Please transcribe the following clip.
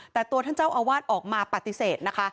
แต่ตัวท่านเจ้าอาวาสออกมาปฏิเสธนะคะ